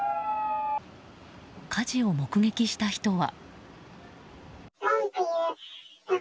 火事を目撃した人は。